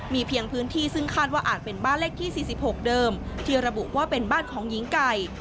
มีเพียงพื้นที่ซึ่งคาดว่าอาจเป็นบ้านเลขที่๔๖เดิมที่ระบุว่าเป็นบ้านของหญิงไก่